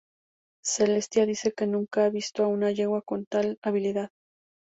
Celestia dice que nunca ha visto a una yegua con tal habilidad.